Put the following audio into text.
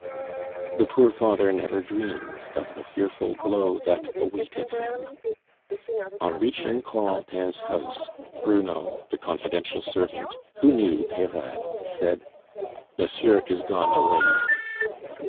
The poor father never dreamed of the fearful blow that awaited him. On reaching Corentin's house, Bruno, the confidential servant, who knew Peyrade, said: "Monsieur is gone away."